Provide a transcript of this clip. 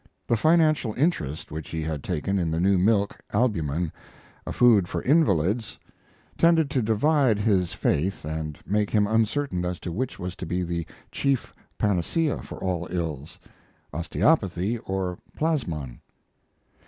The financial interest which he had taken in the new milk albumen, "a food for invalids," tended to divide his faith and make him uncertain as to which was to be the chief panacea for all ills osteopathy or plasmon.